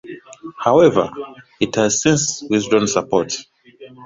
However, it has since withdrawn support.